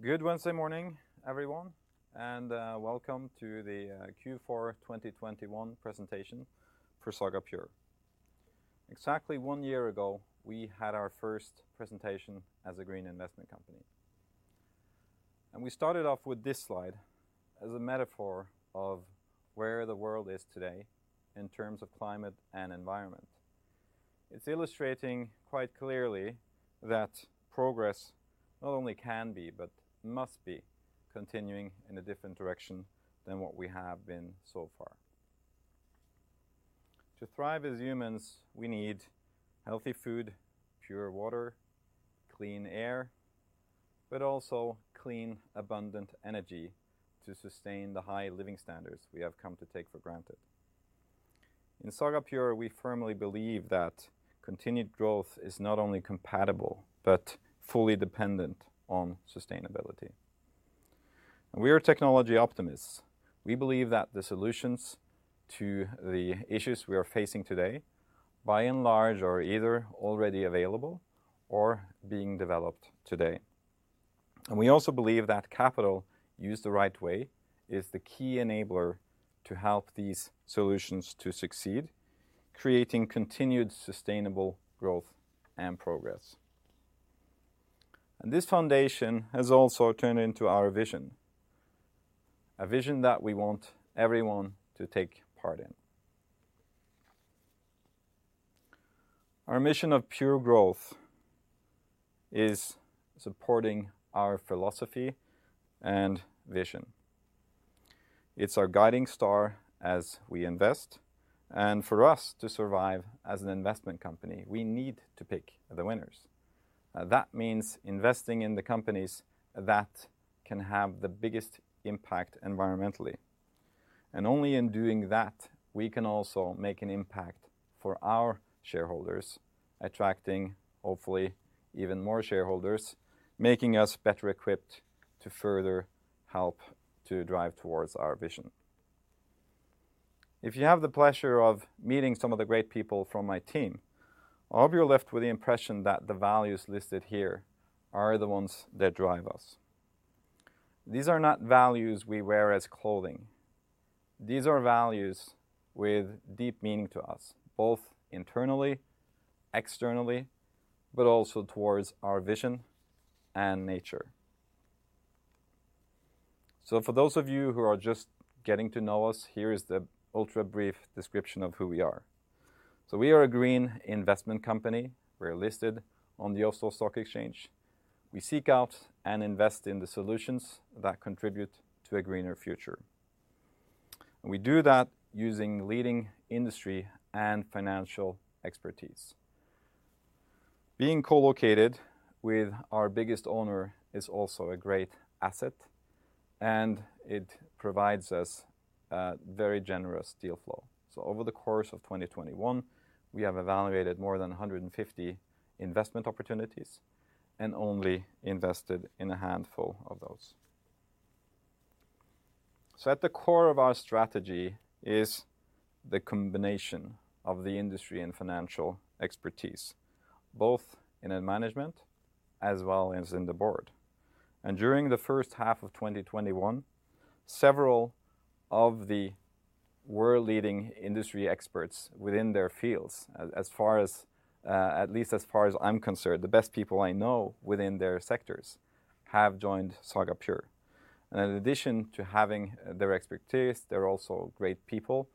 Good Wednesday morning, everyone, and welcome to the Q4 2021 presentation for Saga Pure. Exactly one year ago, we had our first presentation as a green investment company. We started off with this slide as a metaphor of where the world is today in terms of climate and environment. It's illustrating quite clearly that progress not only can be, but must be continuing in a different direction than what we have been so far. To thrive as humans, we need healthy food, pure water, clean air, but also clean, abundant energy to sustain the high living standards we have come to take for granted. In Saga Pure, we firmly believe that continued growth is not only compatible but fully dependent on sustainability. We are technology optimists. We believe that the solutions to the issues we are facing today, by and large, are either already available or being developed today. We also believe that capital used the right way is the key enabler to help these solutions to succeed, creating continued sustainable growth and progress. This foundation has also turned into our vision, a vision that we want everyone to take part in. Our mission of pure growth is supporting our philosophy and vision. It's our guiding star as we invest. For us to survive as an investment company, we need to pick the winners. That means investing in the companies that can have the biggest impact environmentally. Only in doing that, we can also make an impact for our shareholders, attracting, hopefully, even more shareholders, making us better equipped to further help to drive towards our vision. If you have the pleasure of meeting some of the great people from my team, all of you are left with the impression that the values listed here are the ones that drive us. These are not values we wear as clothing. These are values with deep meaning to us, both internally, externally, but also towards our vision and nature. For those of you who are just getting to know us, here is the ultra-brief description of who we are. We are a green investment company. We're listed on the Oslo Stock Exchange. We seek out and invest in the solutions that contribute to a greener future. We do that using leading industry and financial expertise. Being co-located with our biggest owner is also a great asset, and it provides us a very generous deal flow. Over the course of 2021, we have evaluated more than 150 investment opportunities, and only invested in a handful of those. At the core of our strategy is the combination of the industry and financial expertise, both in management as well as in the board. During the first half of 2021, several of the world-leading industry experts within their fields - at least, as far as I'm concerned, the best people I know within their sectors - have joined Saga Pure. In addition to having their expertise, they're also great people.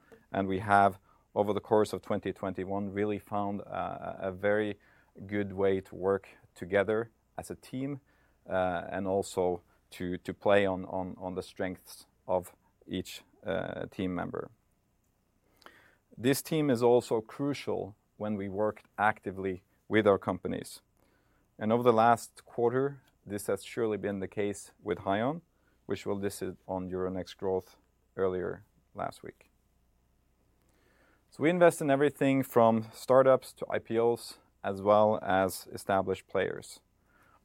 We have, over the course of 2021, really found a very good way to work together as a team, and also to play on the strengths of each team member. This team is also crucial when we work actively with our companies. Over the last quarter, this has surely been the case with HYON, which we'll list it on Euronext Growth earlier last week. We invest in everything from startups to IPOs, as well as established players.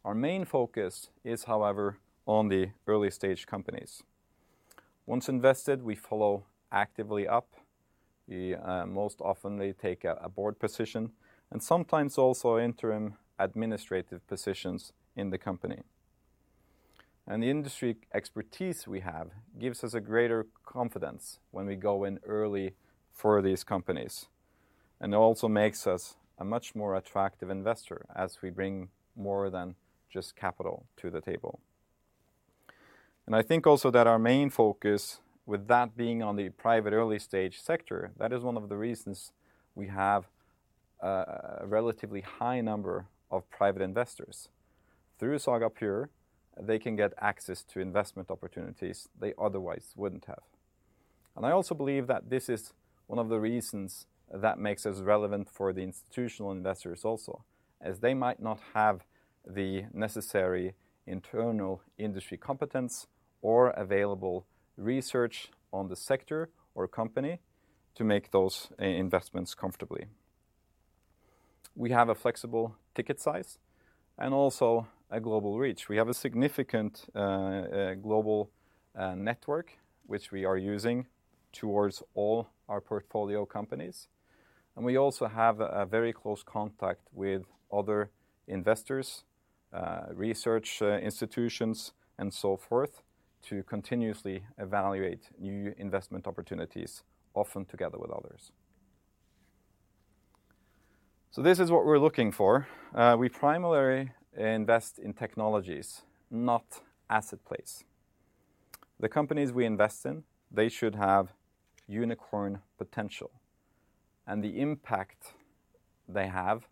Our main focus is, however, on the early-stage companies. Once invested, we follow actively up. We, most often, take a board position and sometimes also interim administrative positions in the company. The industry expertise we have gives us a greater confidence when we go in early for these companies, and also makes us a much more attractive investor as we bring more than just capital to the table. I think also that our main focus, with that being on the private early stage sector, that is one of the reasons we have a relatively high number of private investors. Through Saga Pure, they can get access to investment opportunities they otherwise wouldn't have. I also believe that this is one of the reasons that makes us relevant for the institutional investors also as they might not have the necessary internal industry competence or available research on the sector or company to make those investments comfortably. We have a flexible ticket size and also a global reach. We have a significant global network, which we are using towards all our portfolio companies. We also have a very close contact with other investors, research institutions, and so forth, to continuously evaluate new investment opportunities, often together with others. This is what we're looking for. We primarily invest in technologies, not asset plays. The companies we invest in, they should have unicorn potential, and the impact they have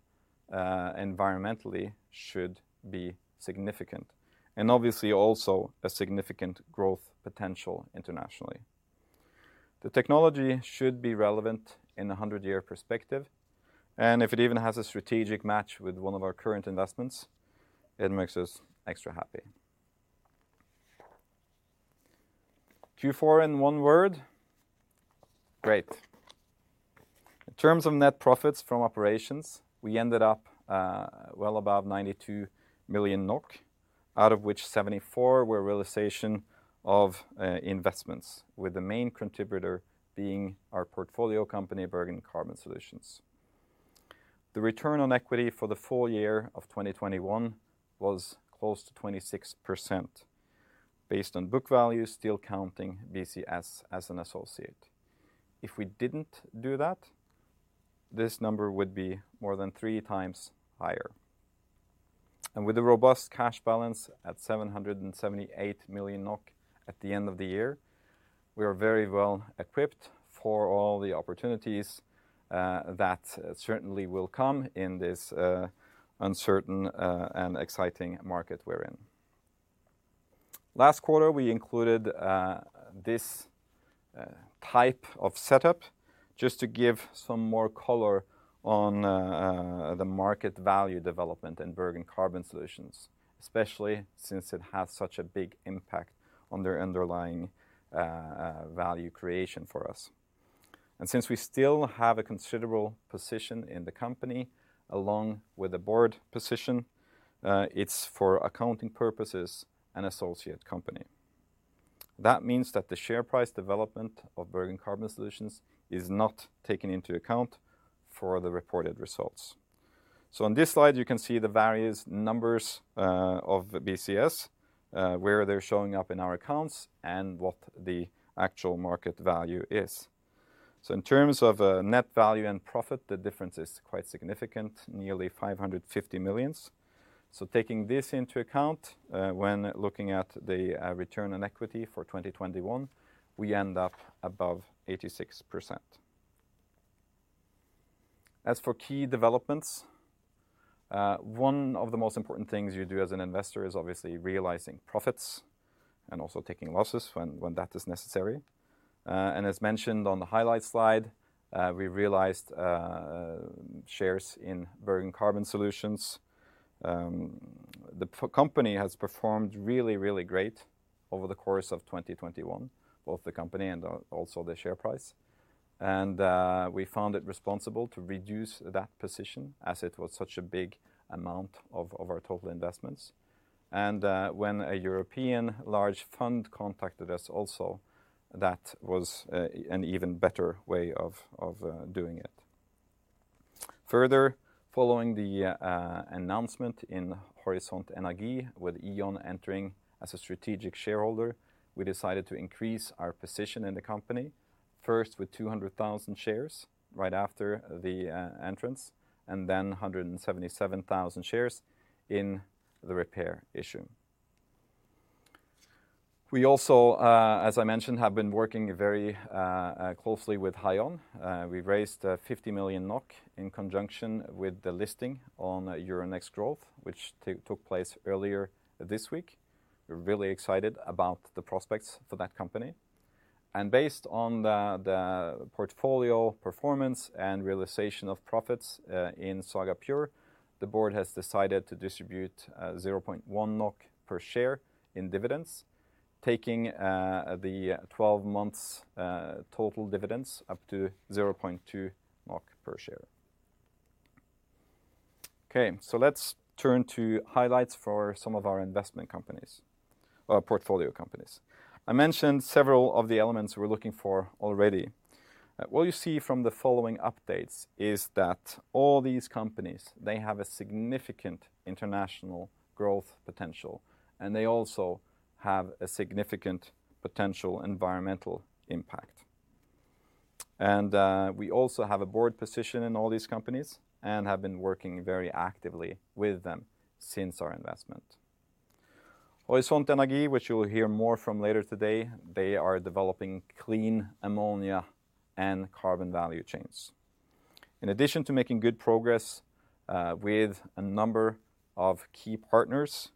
environmentally should be significant, and, obviously, also a significant growth potential internationally. The technology should be relevant in a 100-year perspective, and if it even has a strategic match with one of our current investments, it makes us extra happy. Q4 in one word: great. In terms of net profits from operations, we ended up well above 92 million NOK, out of which 74 million were realization of investments, with the main contributor being our portfolio company, Bergen Carbon Solutions. The return on equity for the full year of 2021 was close to 26% based on book value, still counting BCS as an associate. If we didn't do that, this number would be more than 3x higher. With a robust cash balance at 778 million NOK at the end of the year, we are very well-equipped for all the opportunities that certainly will come in this uncertain and exciting market we're in. Last quarter, we included this type of setup just to give some more color on the market value development in Bergen Carbon Solutions, especially since it has such a big impact on their underlying value creation for us. Since we still have a considerable position in the company, along with a board position, it's for accounting purposes an associate company. That means that the share price development of Bergen Carbon Solutions is not taken into account for the reported results. On this slide, you can see the various numbers of BCS, where they're showing up in our accounts and what the actual market value is. In terms of net value and profit, the difference is quite significant, nearly 550 million. Taking this into account, when looking at the return on equity for 2021, we end up above 86%. As for key developments, one of the most important things you do as an investor is obviously realizing profits and also taking losses when that is necessary. And, as mentioned on the highlights slide, we realized shares in Bergen Carbon Solutions. The company has performed really great over the course of 2021, both the company and also the share price. We found it responsible to reduce that position as it was such a big amount of our total investments. When a European large fund contacted us also, that was an even better way of doing it. Further, following the announcement in Horisont Energi, with E.ON entering as a strategic shareholder, we decided to increase our position in the company. First, with 200,000 shares right after the entrance, and then 177,000 shares in the private issue. We also, as I mentioned, have been working very closely with HYON. We raised 50 million NOK in conjunction with the listing on Euronext Growth, which took place earlier this week. We're really excited about the prospects for that company. Based on the portfolio performance and realization of profits in Saga Pure, the board has decided to distribute 0.1 NOK per share in dividends, taking the twelve months total dividends up to 0.2 NOK per share. Okay, let's turn to highlights for some of our investment companies, or portfolio companies. I mentioned several of the elements we're looking for already. What you see from the following updates is that all these companies, they have a significant international growth potential, and they also have a significant potential environmental impact. We also have a board position in all these companies, and have been working very actively with them since our investment. Horisont Energi, which you will hear more from later today, they are developing clean ammonia and carbon value chains. In addition to making good progress with a number of key partners,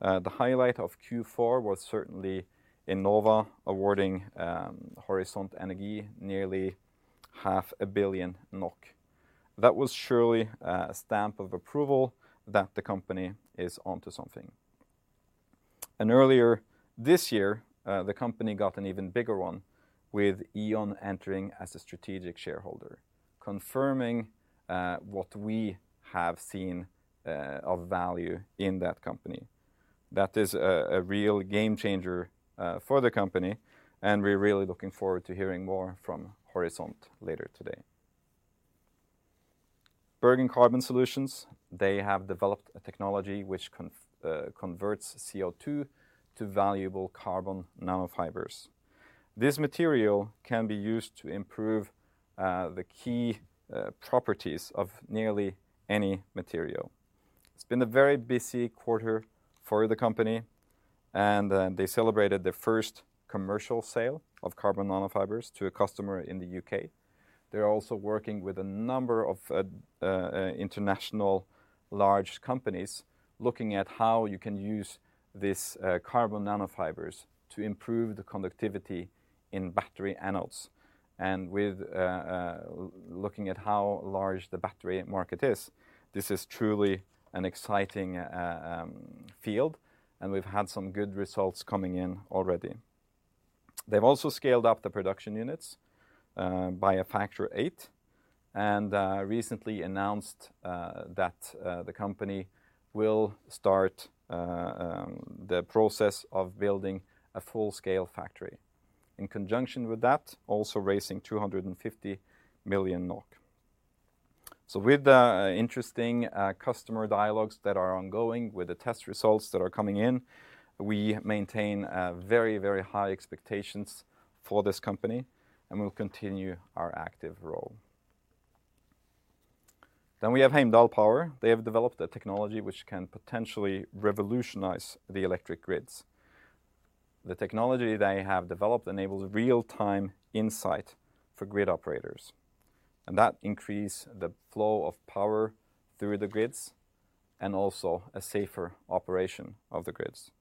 the highlight of Q4 was certainly Enova awarding Horisont Energi nearly 500 million NOK. That was surely a stamp of approval that the company is onto something. Earlier this year, the company got an even bigger one, with E.ON entering as a strategic shareholder, confirming what we have seen of value in that company. That is a real game changer for the company, and we're really looking forward to hearing more from Horisont later today. Bergen Carbon Solutions, they have developed a technology which converts CO2 to valuable carbon nanofibers. This material can be used to improve the key properties of nearly any material. It's been a very busy quarter for the company, and they celebrated their first commercial sale of carbon nanofibers to a customer in the U.K. They're also working with a number of international large companies, looking at how you can use this carbon nanofibers to improve the conductivity in battery anodes. Looking at how large the battery market is, this is truly an exciting field, and we've had some good results coming in already. They've also scaled up the production units by a factor of 8, and recently announced that the company will start the process of building a full-scale factory in conjunction with that, also raising 250 million NOK. With the interesting customer dialogues that are ongoing, with the test results that are coming in, we maintain very, very high expectations for this company, and we'll continue our active role. Then, we have Heimdall Power. They have developed a technology which can potentially revolutionize the electric grids. The technology they have developed enables real-time insight for grid operators, and that increase the flow of power through the grids, and also a safer operation of the grids.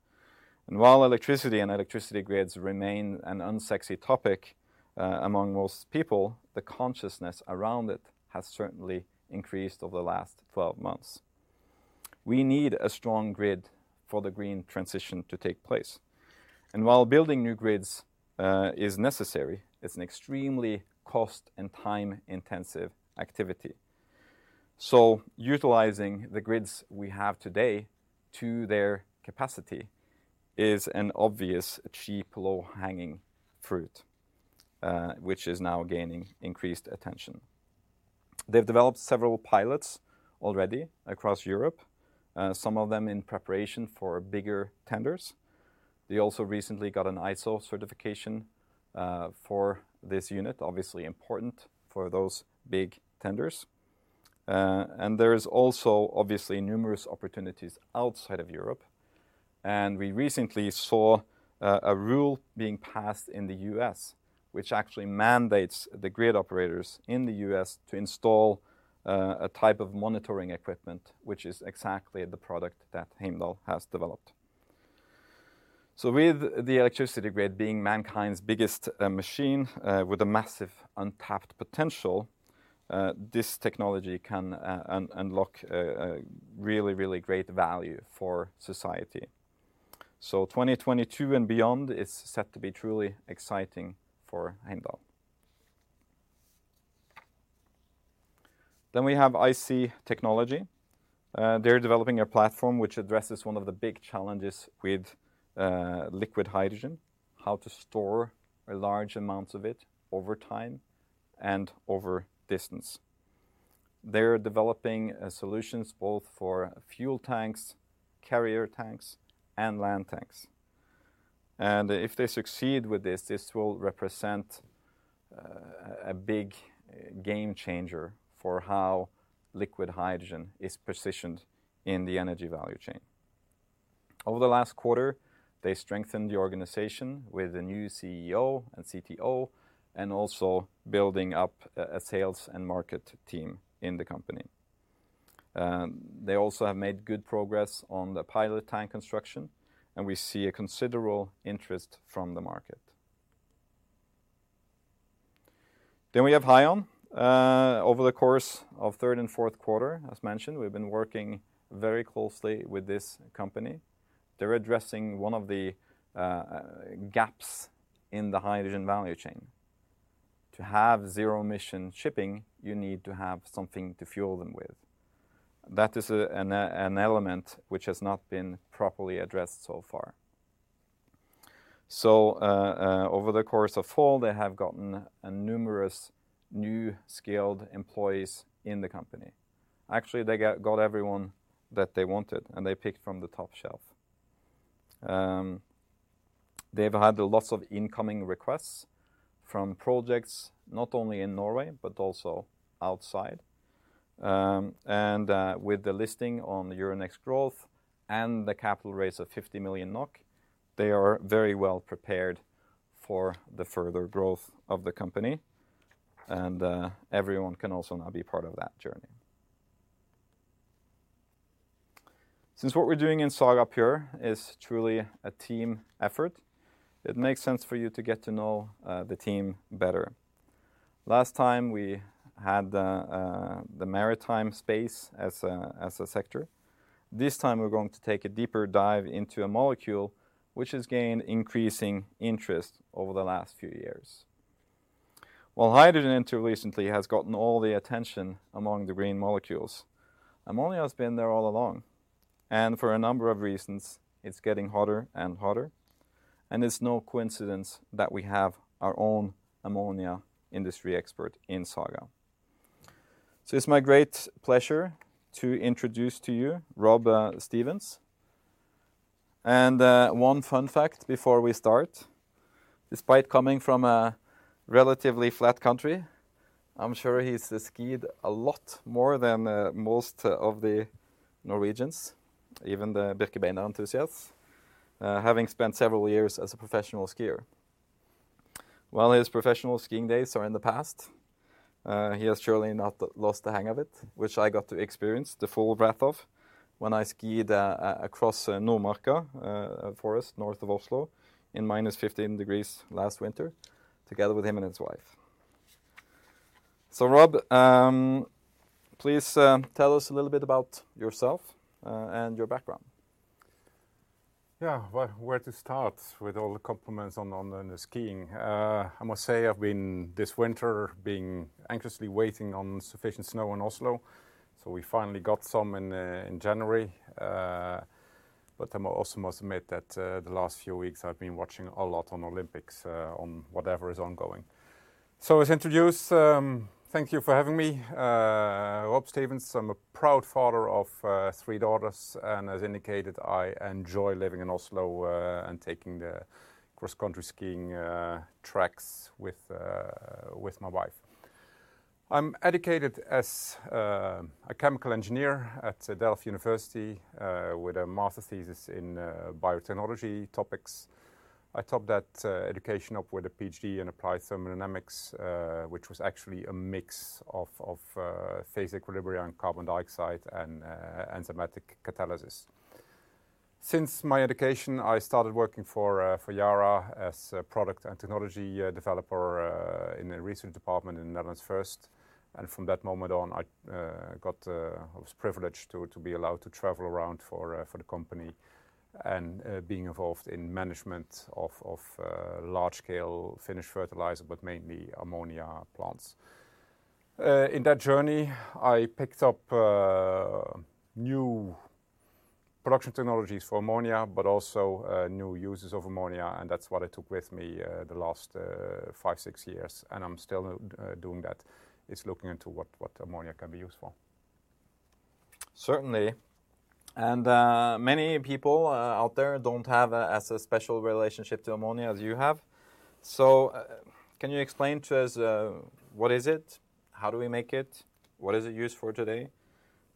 While electricity and electricity grids remain an unsexy topic among most people, the consciousness around it has certainly increased over the last 12 months. We need a strong grid for the green transition to take place. While building new grids is necessary, it's an extremely cost and time-intensive activity. Utilizing the grids we have today to their capacity is an obvious, cheap, low-hanging fruit, which is now gaining increased attention. They've developed several pilots already across Europe, some of them in preparation for bigger tenders. They also recently got an ISO certification for this unit, obviously important for those big tenders. There is also, obviously, numerous opportunities outside of Europe. We recently saw a rule being passed in the U.S. which actually mandates the grid operators in the U.S. to install a type of monitoring equipment, which is exactly the product that Heimdall has developed. With the electricity grid being mankind's biggest machine, with a massive untapped potential, this technology can unlock a really great value for society. 2022 and beyond is set to be truly exciting for Heimdall. Then, we have IC Technology. They're developing a platform which addresses one of the big challenges with liquid hydrogen, how to store large amounts of it over time and over distance. They're developing solutions both for fuel tanks, carrier tanks, and land tanks. If they succeed with this, this will represent a big game changer for how liquid hydrogen is positioned in the energy value chain. Over the last quarter, they strengthened the organization with a new CEO and CTO, and also building up a sales and market team in the company. They also have made good progress on the pilot tank construction, and we see a considerable interest from the market. Then, we have HYON. Over the course of third and fourth quarter, as mentioned, we've been working very closely with this company. They're addressing one of the gaps in the hydrogen value chain. To have zero-emission shipping, you need to have something to fuel them with. That is an element which has not been properly addressed, so far. Over the course of fall, they have gotten numerous new skilled employees in the company. Actually, they got everyone that they wanted, and they picked from the top shelf. They've had lots of incoming requests from projects, not only in Norway, but also outside. With the listing on the Euronext Growth and the capital raise of 50 million NOK, they are very well prepared for the further growth of the company, and everyone can also now be part of that journey. Since what we're doing in Saga Pure is truly a team effort, it makes sense for you to get to know the team better. Last time, we had the maritime space as a sector. This time, we're going to take a deeper dive into a molecule which has gained increasing interest over the last few years. While hydrogen, until recently, has gotten all the attention among the green molecules, ammonia has been there all along. For a number of reasons, it's getting hotter and hotter, and it's no coincidence that we have our own ammonia industry expert in Saga. It's my great pleasure to introduce to you Rob Stevens. One fun fact before we start, despite coming from a relatively flat country, I'm sure he's skied a lot more than most of the Norwegians, even the Birkebeiner enthusiasts, having spent several years as a professional skier. While his professional skiing days are in the past, he has surely not lost the hang of it, which I got to experience the full breadth of when I skied across Nordmarka forest north of Oslo in -15 degrees last winter, together with him and his wife. Rob, please tell us a little bit about yourself and your background. Yeah. Well, where to start with, all the compliments on the skiing? I must say I've been, this winter, been anxiously waiting on sufficient snow in Oslo, so we finally got some in January. But, I also must admit that the last few weeks, I've been watching a lot on Olympics, on whatever is ongoing. As introduced, thank you for having me. Rob Stevens, I'm a proud father of three daughters, and as indicated, I enjoy living in Oslo and taking the cross-country skiing tracks with my wife. I'm educated as a chemical engineer at Delft University, with a master thesis in biotechnology topics. I topped that education up with a PhD in applied thermodynamics, which was actually a mix of phase equilibrium, carbon dioxide, and enzymatic catalysis. Since my education, I started working for Yara as a product and technology developer in the research department in the Netherlands first. From that moment on, I was privileged to be allowed to travel around for the company, and being involved in management of large scale finished fertilizer, but mainly ammonia plants. In that journey, I picked up new production technologies for ammonia, but also new uses of ammonia, and that's what I took with me the last five, six years, and I'm still doing that, is looking into what ammonia can be used for. Certainly. Many people out there don't have as special a relationship to ammonia as you have. Can you explain to us what is it? How do we make it? What is it used for today?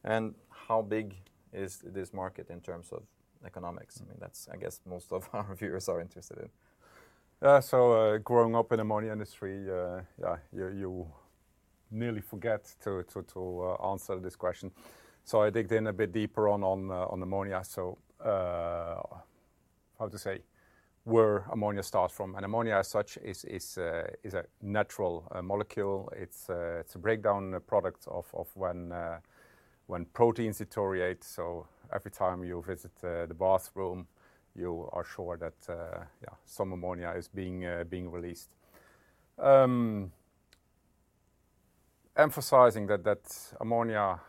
And how big is this market in terms of economics? I mean, that's, I guess, most of our viewers are interested in. Growing up in ammonia industry, yeah, you nearly forget to answer this question. I dug in a bit deeper on ammonia. How to say, where ammonia starts from. Ammonia, as such, is a natural molecule. It's a breakdown product of when proteins deteriorate. Every time you visit the bathroom, you are sure that some ammonia is being released. Emphasizing that ammonia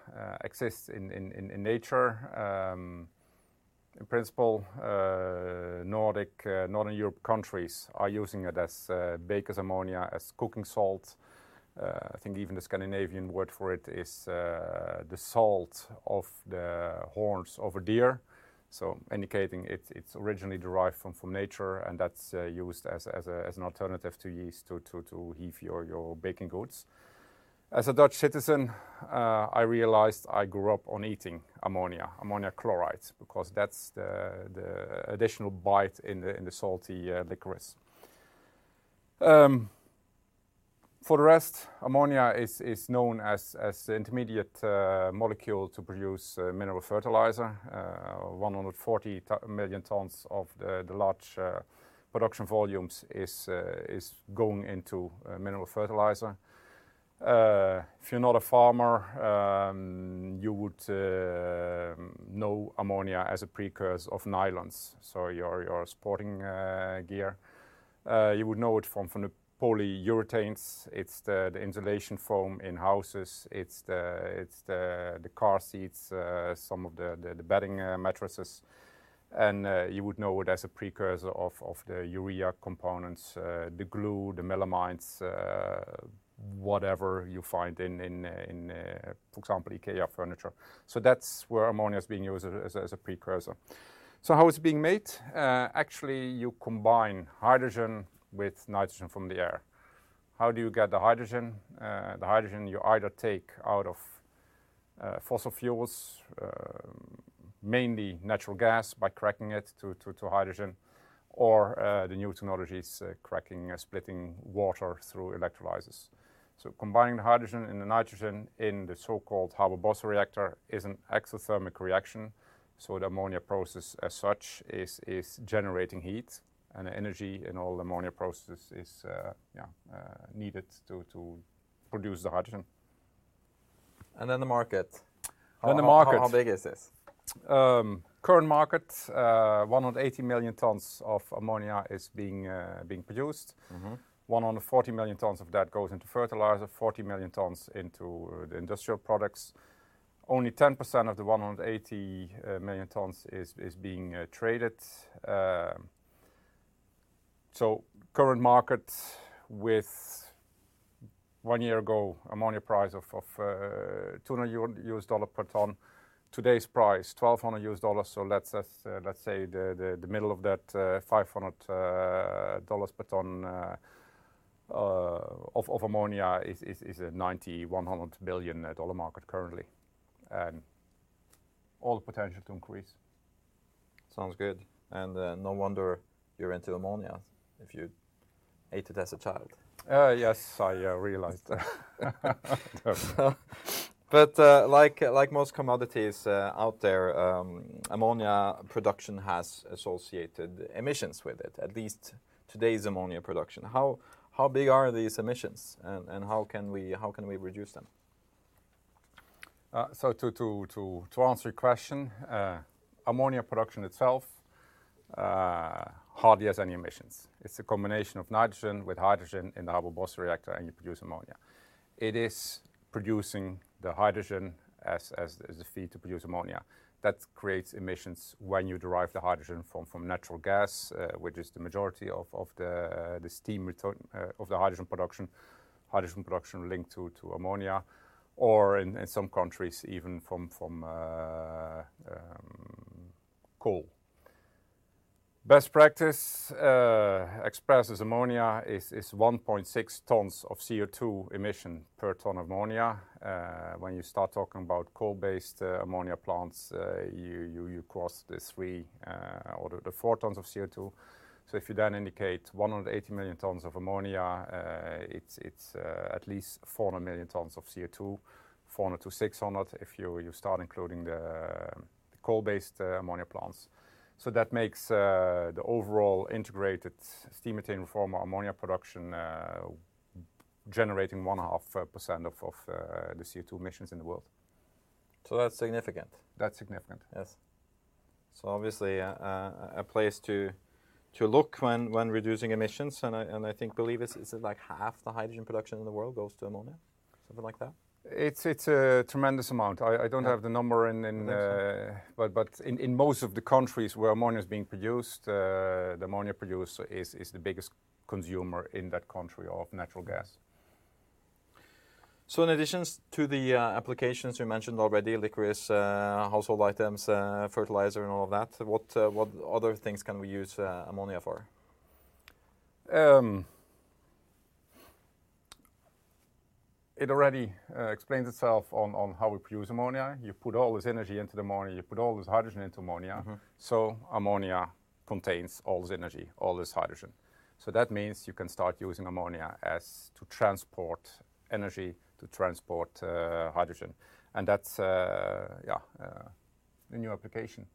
exists in nature, in principle, Nordic Northern Europe countries are using it as Baker's ammonia, as cooking salt. I think even the Scandinavian word for it is the salt of the horns of a deer, indicating it's originally derived from nature, and that's used as an alternative to yeast to leaven your baking goods. As a Dutch citizen, I realized I grew up on eating ammonium chloride, because that's the additional bite in the salty licorice. For the rest, ammonia is known as the intermediate molecule to produce mineral fertilizer. 140 million tons of the large production volumes is going into mineral fertilizer. If you're not a farmer, you would know ammonia as a precursor of nylons, so your sporting gear. You would know it from the polyurethanes. It's the insulation foam in houses. It's the car seats, some of the bedding, mattresses. You would know it as a precursor of the urea components, the glue, the melamines, whatever you find in, for example, IKEA furniture. That's where ammonia is being used as a precursor. How it's being made? Actually, you combine hydrogen with nitrogen from the air. How do you get the hydrogen? The hydrogen you either take out of fossil fuels, mainly natural gas by cracking it to hydrogen, or the new technologies, cracking, splitting water through electrolyzers. Combining the hydrogen and the nitrogen in the so-called Haber-Bosch reactor is an exothermic reaction, so the ammonia process, as such, is generating heat, and the energy in all ammonia processes is needed to produce the hydrogen. And then, market. The market. How big is this? Current market, 180 million tons of ammonia is being produced. 140 million tons of that goes into fertilizer, 40 million tons into the industrial products. Only 10% of the 180 million tons is being traded. Current market with one year ago ammonia price of $200 per ton, today's price $1,200. Let's say the middle of that, $500 per ton of ammonia is a $90 billion-$100 billion market, currently. All the potential to increase. Sounds good. No wonder you're into ammonia, if you ate it as a child. Yes, I realized that. Like most commodities out there, ammonia production has associated emissions with it, at least today's ammonia production. How big are these emissions and how can we reduce them? To answer your question, ammonia production itself hardly has any emissions. It's a combination of nitrogen with hydrogen in the Haber-Bosch reactor, and you produce ammonia. It is producing the hydrogen as a feed to produce ammonia. That creates emissions, when you derive the hydrogen from natural gas, which is the majority of the steam reforming of the hydrogen production linked to ammonia, or in some countries even from coal. Best practice, expresses ammonia is 1.6 tons of CO2 emission per ton of ammonia. When you start talking about coal-based ammonia plants, you cross the 3 or the 4 tons of CO2. If you then indicate 180 million tons of ammonia, it's at least 400 million tons of CO2, 400 million-600 million if you start including the coal-based ammonia plants. That makes the overall integrated steam methane reforming ammonia production generating 0.5% of the CO2 emissions in the world. That's significant. That's significant. Yes. Obviously, a place to look when reducing emissions, and I believe it's like 1/2 the hydrogen production in the world goes to ammonia, something like that? It's a tremendous amount. I don't have the number, but in most of the countries where ammonia is being produced, the ammonia producer is the biggest consumer in that country of natural gas. In addition to the applications you mentioned already, licorice, household items, fertilizer and all of that, what other things can we use ammonia for? It already explains itself on how we produce ammonia. You put all this energy into the ammonia, you put all this hydrogen into ammonia. Ammonia contains all this energy, all this hydrogen. That means you can start using ammonia as to transport energy, to transport, hydrogen. And that's, yeah, a new application.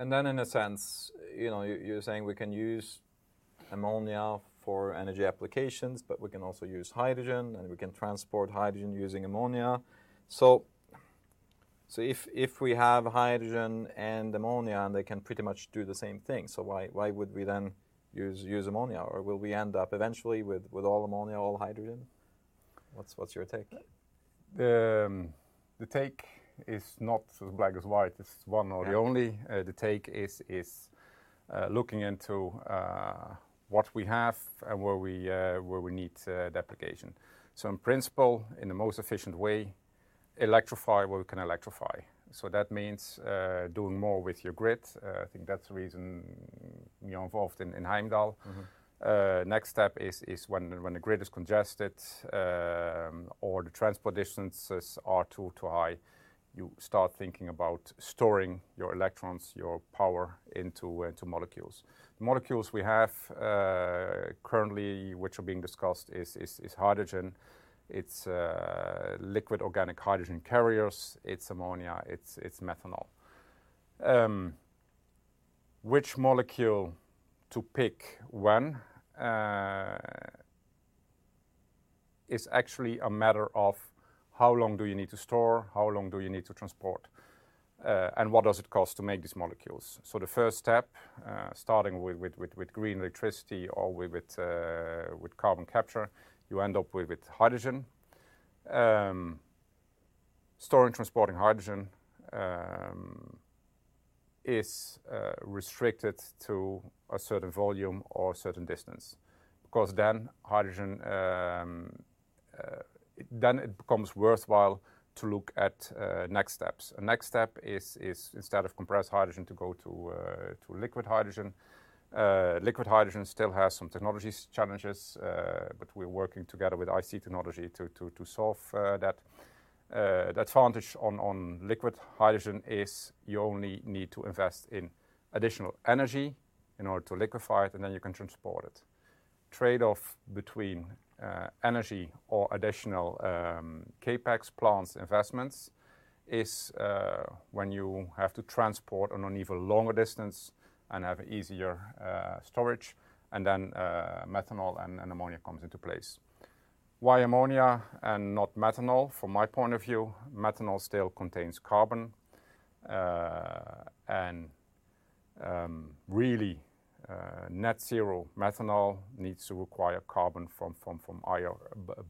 In a sense, you know, you're saying we can use ammonia for energy applications, but we can also use hydrogen, and we can transport hydrogen using ammonia. If we have hydrogen and ammonia, and they can pretty much do the same thing, why would we then use ammonia? Or, will we end up eventually with all ammonia, all hydrogen? What's your take? The take is not as black and white. It's one or the only. Yeah. The take is looking into what we have and where we need the application. In principle, in the most efficient way, electrify what we can electrify. That means doing more with your grid. I think that's the reason we are involved in Heimdall. Next step is when the grid is congested, or the transport distances are too high, you start thinking about storing your electrons, your power into molecules. Molecules we have currently, which are being discussed, is hydrogen, it's Liquid Organic Hydrogen Carriers, it's ammonia, it's methanol. Which molecule to pick when is actually a matter of how long do you need to store, how long do you need to transport, and what does it cost to make these molecules. First step, starting with green electricity or with carbon capture, you end up with hydrogen. Storing, transporting hydrogen is restricted to a certain volume or a certain distance because then, hydrogen, then it becomes worthwhile to look at next steps. The next step is, instead of compressed hydrogen, to go to liquid hydrogen. Liquid hydrogen still has some technology challenges, but we're working together with IC Technology to solve that. The advantage on liquid hydrogen is you only need to invest in additional energy in order to liquefy it, and then you can transport it. Trade-off between energy or additional CapEx planned investments is when you have to transport on an even longer distance and have easier storage. And then, methanol and ammonia comes into place. Why ammonia and not methanol? From my point of view, methanol still contains carbon, and really net zero methanol needs to require carbon from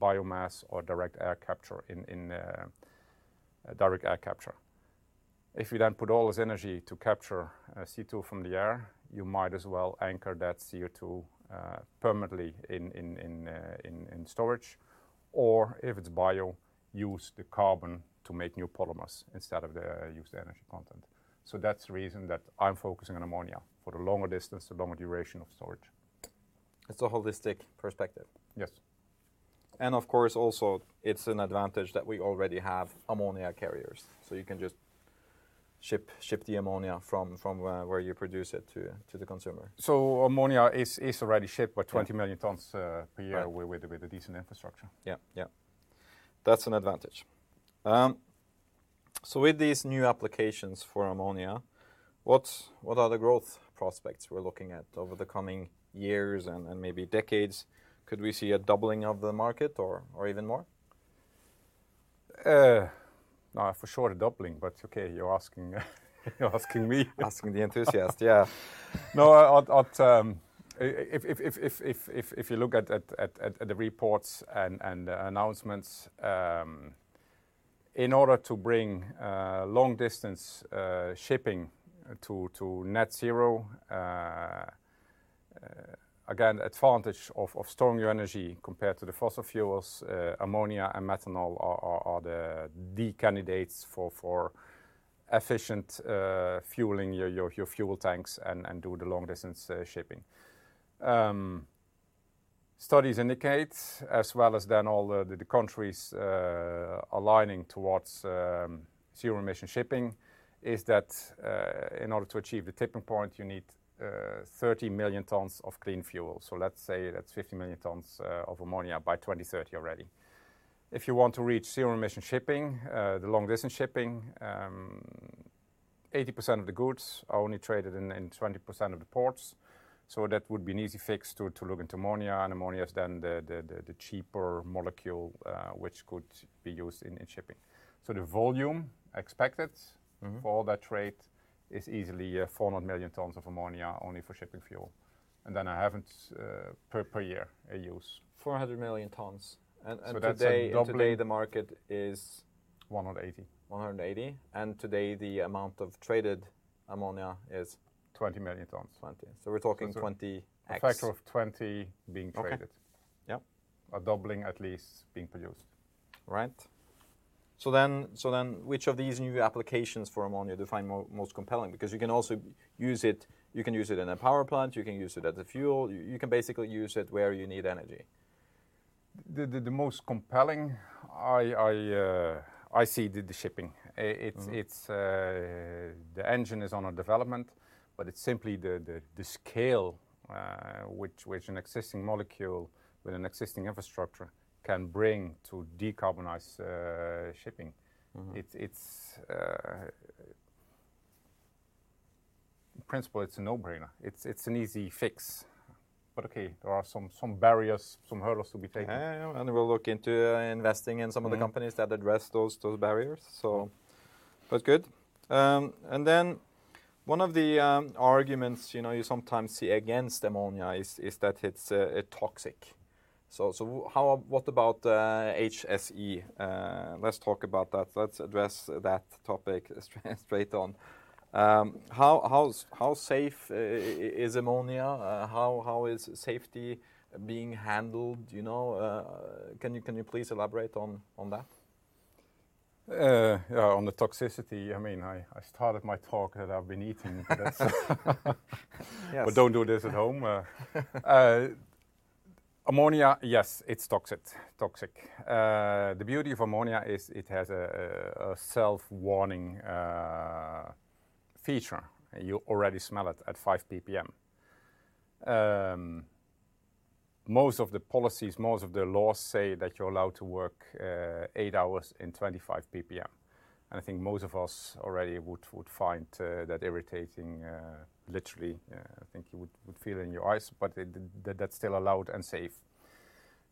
biomass or direct air capture, in direct air capture. If you then put all this energy to capture CO2 from the air, you might as well anchor that CO2 permanently in storage. Or if it's bio, use the carbon to make new polymers instead of using the energy content. That's the reason that I'm focusing on ammonia for the longer distance, the longer duration of storage. It's a holistic perspective. Yes. Of course, also, it's an advantage that we already have ammonia carriers, so you can just ship the ammonia from where you produce it to the consumer. Ammonia is already shipped by 20 million tons per year- Right.... with a decent infrastructure. Yeah. That's an advantage. With these new applications for ammonia, what are the growth prospects we're looking at over the coming years and maybe decades? Could we see a doubling of the market or even more? No, for sure a doubling, but okay, you're asking me. Asking the enthusiast, yeah. If you look at the reports and announcements in order to bring long-distance shipping to net zero, again, advantage of storing your energy compared to the fossil fuels, ammonia and methanol are the candidates for efficient fueling your fuel tanks and do the long-distance shipping. Studies indicate, as well as then all the countries aligning towards zero emission shipping, is that in order to achieve the tipping point, you need 30 million tons of clean fuel. Let's say that's 50 million tons of ammonia by 2030 already. If you want to reach zero-emission shipping, the long-distance shipping, 80% of the goods are only traded in 20% of the ports, so that would be an easy fix to look into ammonia. Ammonia is then the cheaper molecule which could be used in shipping. The volume expected for that trade is easily 400 million tons of ammonia, only for shipping fuel. I haven't, per year use. 400 million tons. That's a doubling. Today the market is? 180 tons. 180 tons. Today the amount of traded ammonia is? 20 million tons. 20 milion tons. We're talking 20x. A factor of 20 being traded. Okay. Yep. A doubling at least being produced. Right. Which of these new applications for ammonia do you find most compelling? Because you can also use it, you can use it in a power plant, you can use it as a fuel, you can basically use it where you need energy. The most compelling, I see the shipping. It's, the engine is in development, but it's simply the scale which an existing molecule with an existing infrastructure can bring to decarbonize shipping. Mm-hmm. It's in principle, it's a no-brainer. It's an easy fix. Okay, there are some barriers, some hurdles to be taken. Yeah. We'll look into investing in some of the companies- Yeah.... that address those barriers. That's good. One of the arguments, you know, you sometimes see against ammonia is that it's toxic. What about HSE? Let's talk about that. Let's address that topic straight on. How safe is ammonia? How is safety being handled, you know? Can you please elaborate on that? Yeah, on the toxicity, I mean, I started my talk that I've been eating. That's- Yes. Don't do this at home. Ammonia, yes, it's toxic. The beauty of ammonia is it has a self-warning feature. You already smell it at 5 ppm. Most of the policies, most of the laws say that you're allowed to work 8 hours in 25 ppm. I think most of us already would find that irritating, literally. I think you would feel it in your eyes, but that's still allowed and safe.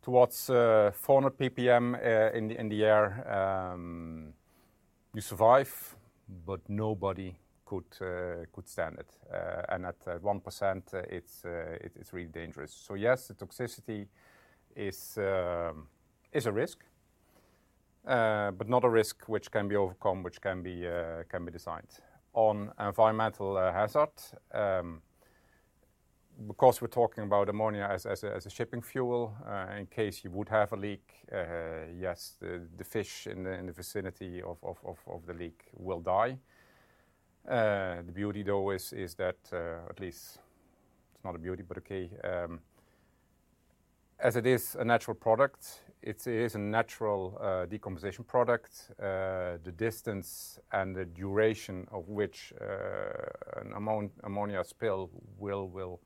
Towards 400 ppm in the air, you survive, but nobody could stand it. At 1%, it's really dangerous. Yes, the toxicity is a risk, but not a risk which can be overcome, which can be designed. On environmental hazard, because we're talking about ammonia as a shipping fuel, in case you would have a leak, yes, the fish in the vicinity of the leak will die. The beauty though is that at least--it's not a beauty, but okay--as it is a natural product, it is a natural decomposition product. The distance and the duration of which an ammonia spill will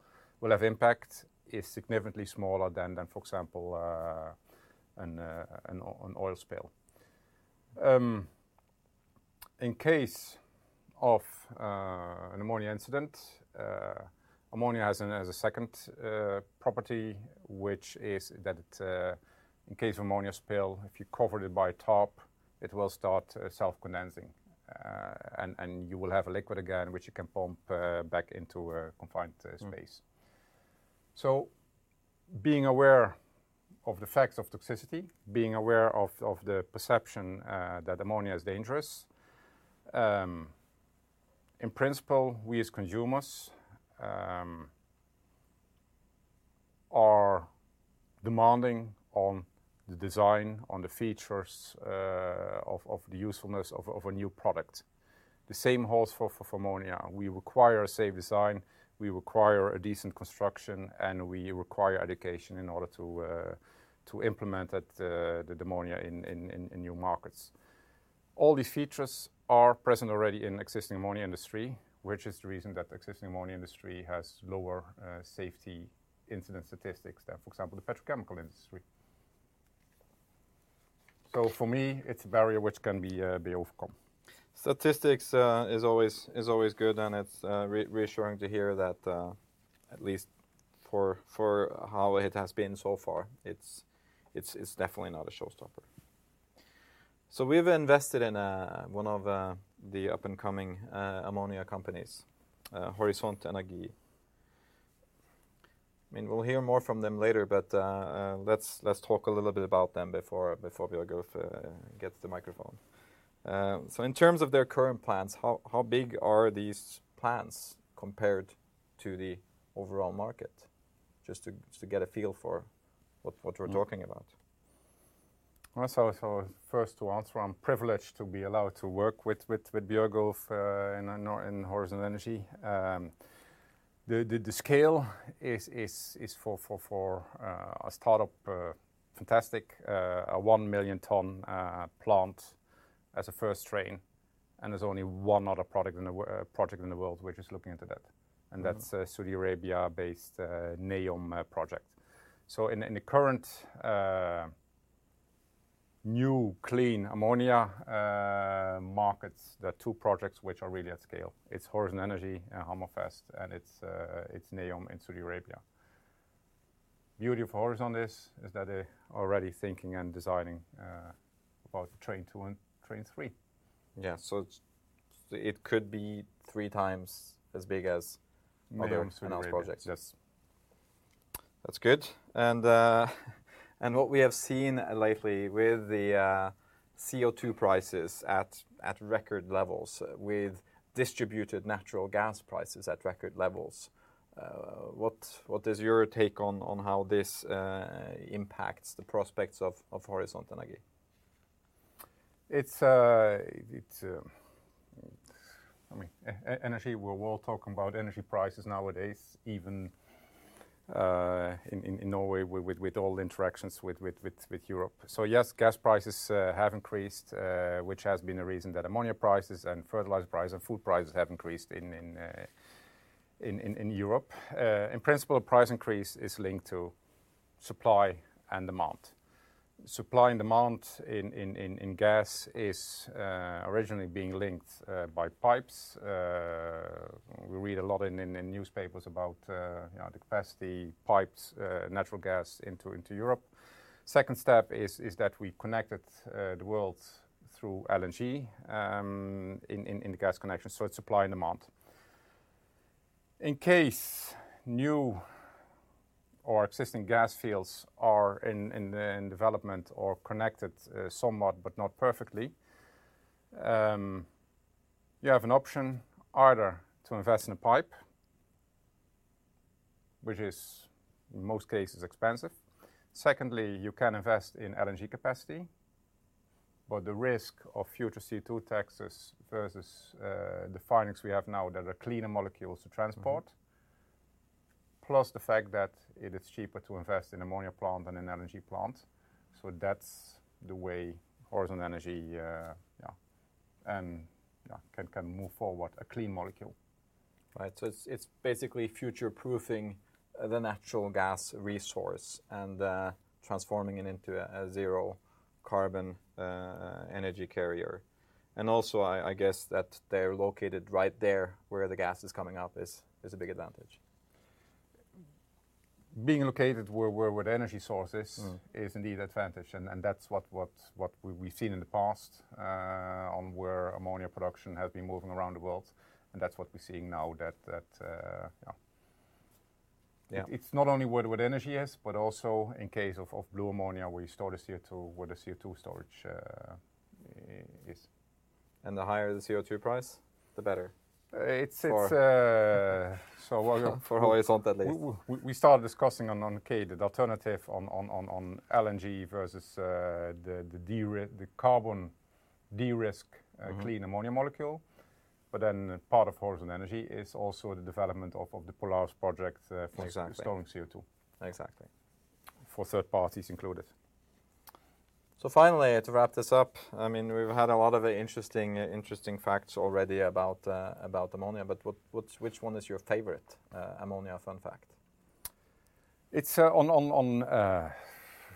have impact is significantly smaller than, for example, an oil spill. In case of an ammonia incident, ammonia has a second property, which is that it in case of ammonia spill, if you cover it by tarp, it will start self-condensing. You will have a liquid again, which you can pump back into a confined space. Mm-hmm. Being aware of the facts of toxicity, being aware of the perception that ammonia is dangerous. In principle, we, as consumers, are demanding on the design, on the features of the usefulness of a new product. The same holds for ammonia. We require a safe design, we require a decent construction, and we require education in order to implement it, the ammonia in new markets. All these features are present already in existing ammonia industry, which is the reason that existing ammonia industry has lower safety incident statistics than, for example, the petrochemical industry. For me, it's a barrier which can be overcome. Statistics is always good, and it's reassuring to hear that at least for, how it has been so far, it's definitely not a showstopper. We've invested in one of the up-and-coming ammonia companies, Horisont Energi. I mean, we'll hear more from them later, but let's talk a little bit about them before Bjørgulf gets the microphone. In terms of their current plans, how big are these plans compared to the overall market? Just to get a feel for what we're talking about. Well, first to answer, I'm privileged to be allowed to work with Bjørgulf in Horisont Energi. The scale is, for a startup, fantastic 1 million ton plant as a first train, and there's only one other project in the world which is looking into that. Mm-hmm. That's a Saudi Arabia-based NEOM project. In the current new clean ammonia markets, there are two projects which are really at scale. It's Horisont Energi and Amon, and it's NEOM in Saudi Arabia. Beauty of Horisont is that they're already thinking and designing about train two and train three. Yeah. It could be three times as big as other similar projects. NEOM in Saudi Arabia, yes. That's good. What we have seen lately with the CO2 prices at record levels, with distillate and natural gas prices at record levels, what is your take on how this impacts the prospects of Horisont Energi? It's, I mean, energy, we're all talking about energy prices nowadays, even in Norway with all the interactions with Europe. Yes, gas prices have increased, which has been a reason that ammonia prices and fertilizer prices and food prices have increased in Europe. In principle, price increase is linked to supply and demand. Supply and demand in gas is originally being linked by pipes. We read a lot in the newspapers about you know the capacity pipes natural gas into Europe. Second step is that we connected the world through LNG in the gas connection, it's supply and demand. In case new or existing gas fields are in development or connected somewhat but not perfectly, you have an option either to invest in a pipe, which is in most cases expensive. Secondly, you can invest in LNG capacity, but the risk of future CO2 taxes versus the fuels we have now that are cleaner molecules to transport, plus the fact that it is cheaper to invest in ammonia plant than an LNG plant. That's the way Horisont Energi can move forward, a clean molecule. Right. It's basically future-proofing the natural gas resource and transforming it into a zero carbon energy carrier. Also, I guess that they're located right there where the gas is coming out is a big advantage. Being located where with energy sources- Mm-hmm.... is indeed advantage. That's what we've seen in the past on where ammonia production has been moving around the world, and that's what we're seeing now that- Yeah. It's not only where the energy is, but also in case of blue ammonia, where you store the CO2, where the CO2 storage is. The higher the CO2 price, the better. It's- Or- So we're-... for Horisont, at least.... we start discussing on okay, the alternative on LNG versus the carbon de-risk- Mm-hmm.... clean ammonia molecule. Part of Horisont Energi is also the development of the Polaris project, for- Exactly.... storing CO2. Exactly. For third parties included. Finally, to wrap this up, I mean, we've had a lot of interesting facts already about ammonia, but which one is your favorite ammonia fun fact? It's on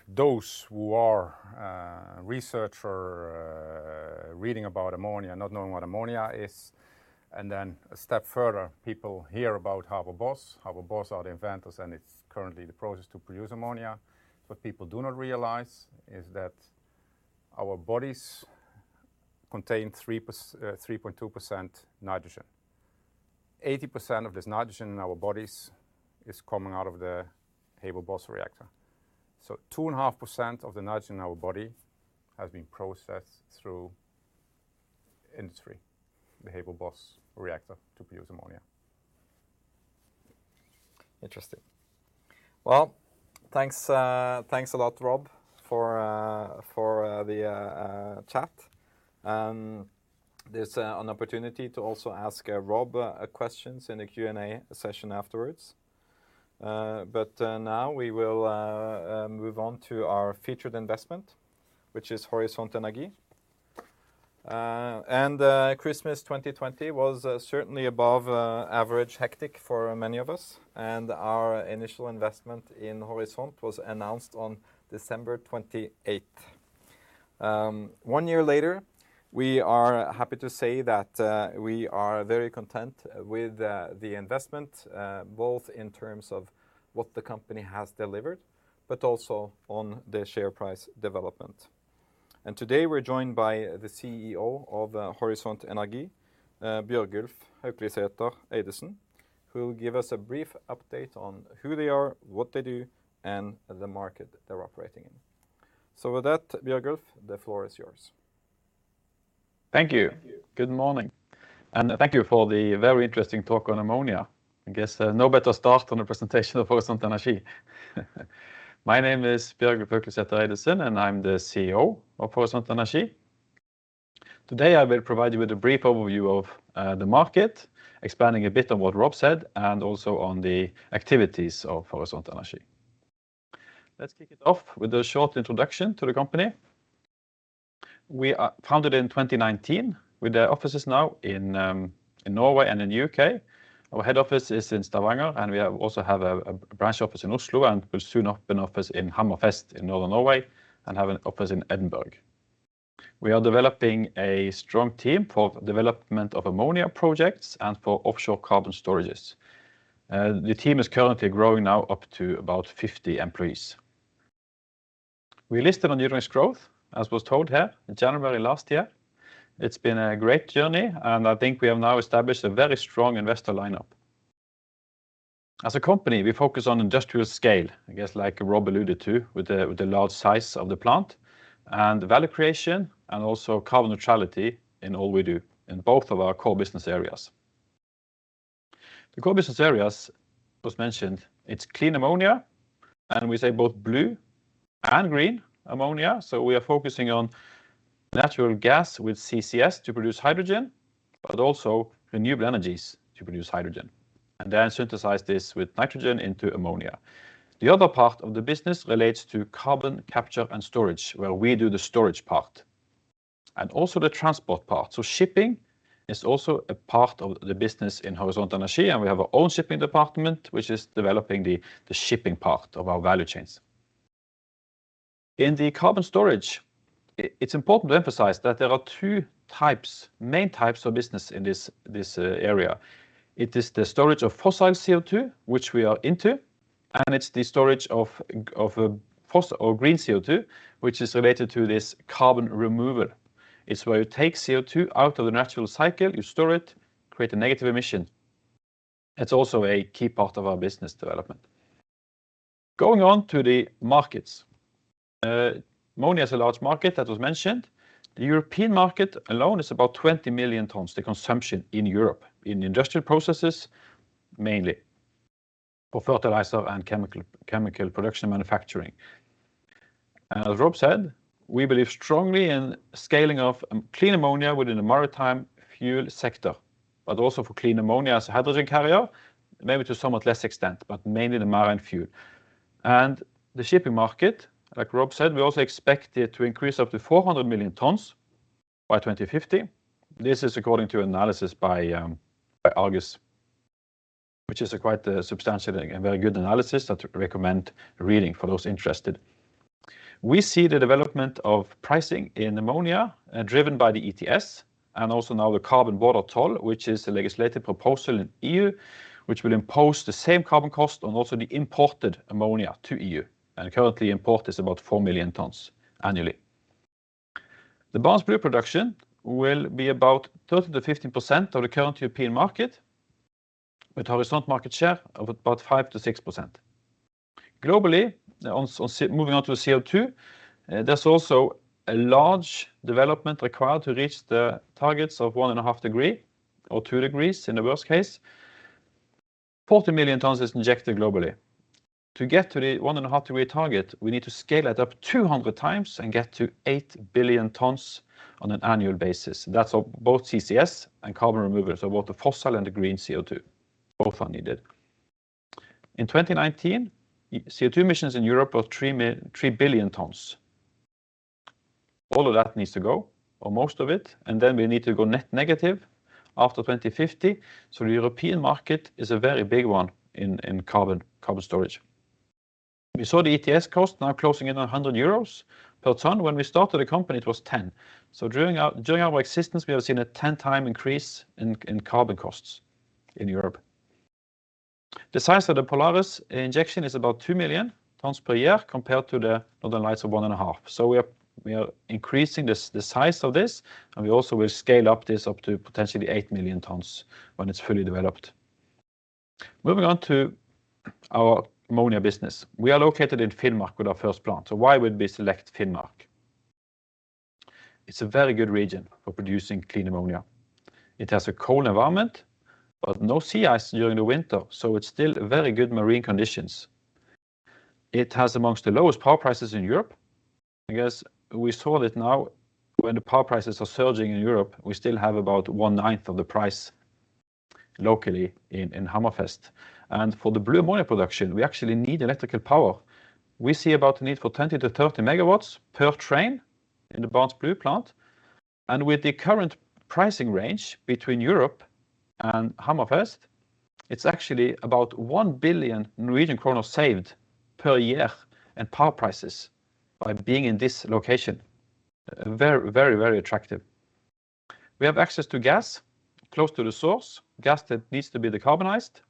those who are researchers reading about ammonia, not knowing what ammonia is, and then a step further, people hear about Haber-Bosch. Haber-Bosch are the inventors, and it's currently the process to produce ammonia. What people do not realize is that our bodies contain 3.2% nitrogen. 80% of this nitrogen in our bodies is coming out of the Haber-Bosch reactor. 2.5% of the nitrogen in our body has been processed through industry, the Haber-Bosch reactor, to produce ammonia. Interesting. Thanks a lot, Rob, for the chat. There's an opportunity to also ask Rob questions in the Q&A session afterwards. Now, we will move on to our featured investment, which is Horisont Energi. Christmas 2020 was certainly above average hectic for many of us, and our initial investment in Horisont was announced on December 28. One year later, we are happy to say that we are very content with the investment, both in terms of what the company has delivered, but also on the share price development. Today we're joined by the CEO of Horisont Energi, Bjørgulf Haukelidsæter Eidesen, who will give us a brief update on who they are, what they do, and the market they're operating in. With that, Bjørgulf, the floor is yours. Thank you. Good morning, and thank you for the very interesting talk on ammonia. I guess, no better start on the presentation of Horisont Energi. My name is Bjørgulf Haukelidsæter Eidesen, and I'm the CEO of Horisont Energi. Today, I will provide you with a brief overview of, the market, expanding a bit on what Rob said, and also on the activities of Horisont Energi. Let's kick it off with a short introduction to the company. We are founded in 2019, with the offices now in Norway and in U.K. Our head office is in Stavanger, and we have also a branch office in Oslo, and will soon open office in Hammerfest in northern Norway, and have an office in Edinburgh. We are developing a strong team for development of ammonia projects and for offshore carbon storages. The team is currently growing now up to about 50 employees. We listed on Euronext Growth, as was told here, in January last year. It's been a great journey, and I think we have now established a very strong investor lineup. As a company, we focus on industrial scale, I guess like Rob alluded to with the large size of the plant, and value creation and also carbon neutrality in all we do in both of our core business areas. The core business areas was mentioned. It's clean ammonia, and we say both blue and green ammonia, so we are focusing on natural gas with CCS to produce hydrogen, but also renewable energies to produce hydrogen and then synthesize this with nitrogen into ammonia. The other part of the business relates to carbon capture and storage, where we do the storage part, and also the transport part. Shipping is also a part of the business in Horisont Energi, and we have our own shipping department, which is developing the shipping part of our value chains. In the carbon storage, it's important to emphasize that there are two main types of business in this area. It is the storage of fossil CO2, which we are into, and it's the storage of green CO2, which is related to this carbon removal. It's where you take CO2 out of the natural cycle, you store it, create a negative emission. That's also a key part of our business development. Going on to the markets. Ammonia is a large market, that was mentioned. The European market alone is about 20 million tons, the consumption in Europe, in industrial processes mainly, for fertilizer and chemical production manufacturing. As Rob said, we believe strongly in scaling of clean ammonia within the maritime fuel sector, but also for clean ammonia as a hydrogen carrier, maybe to a somewhat less extent, but mainly the marine fuel. The shipping market, like Rob said, we also expect it to increase up to 400 million tons by 2050. This is according to analysis by Argus, which is a quite substantial and very good analysis. I'd recommend reading for those interested. We see the development of pricing in ammonia, driven by the ETS and also now the Carbon Border tool, which is a legislative proposal in E.U., which will impose the same carbon cost on also the imported ammonia to E.U. Currently, import is about 4 million tons annually. The Barents Blue production will be about 30%-15% of the current European market, with Horisont market share of about 5%-6%, globally. Moving on to CO2, there's also a large development required to reach the targets of 1.5 degrees or 2 degrees in the worst case. 40 million tons is injected globally. To get to the 1.5 degree target, we need to scale it up 200 times and get to 8 billion tons on an annual basis. That's of both CCS and carbon removal, so both the fossil and the green CO2. Both are needed. In 2019, CO2 emissions in Europe were 3 billion tons. All of that needs to go, or most of it, and then we need to go net negative after 2050. The European market is a very big one in carbon storage. We saw the ETS cost now closing in 100 euros per ton. When we started the company, it was 10. During our existence, we have seen a 10x increase in carbon costs in Europe. The size of the Polaris injection is about 2 million tons per year compared to the Northern Lights of 1.5 million tons. We are increasing the size of this, and we also will scale up this to potentially 8 million tons when it's fully developed. Moving on to our ammonia business. We are located in Finnmark with our first plant. Why would we select Finnmark? It's a very good region for producing clean ammonia. It has a cold environment but no sea ice during the winter, so it's still very good marine conditions. It has among the lowest power prices in Europe. I guess we saw that now when the power prices are surging in Europe, we still have about 1/9 of the price locally in Hammerfest. For the blue ammonia production, we actually need electrical power. We see about the need for 20 MW-30 MW per train in the Barents Blue plant. With the current pricing range between Europe and Hammerfest, it's actually about 1 billion Norwegian kroner saved per year in power prices by being in this location. Very, very, very attractive. We have access to gas close to the source, gas that needs to be decarbonized.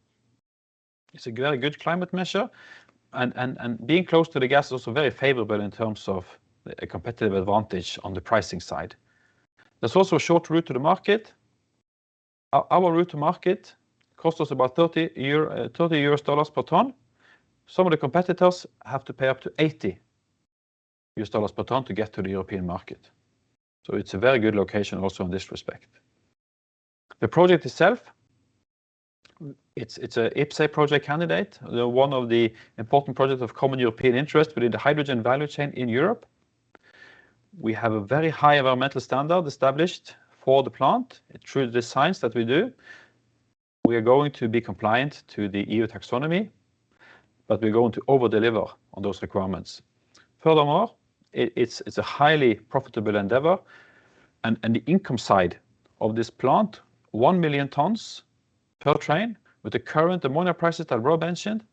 It's a very good climate measure and being close to the gas is also very favorable in terms of a competitive advantage on the pricing side. There's also a short route to the market. Our route to market costs us about $30 per ton. Some of the competitors have to pay up to $80 per ton to get to the European market. It's a very good location also in this respect. The project itself, it's a IPCEI project candidate. They're one of the important projects of common European interest within the hydrogen value chain in Europe. We have a very high environmental standard established for the plant through the designs that we do. We are going to be compliant to the E.U. Taxonomy, but we're going to overdeliver on those requirements. Furthermore, it's a highly profitable endeavor, and the income side of this plant, 1 million tons per train with the current ammonia prices that Rob mentioned,